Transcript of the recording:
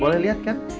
boleh lihat kan